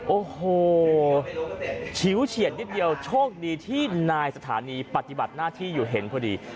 โอ้โหชิวเฉียดนิดเดียวโชคดีที่นายสถานีปฏิบัติหน้าที่อยู่เห็นพอดี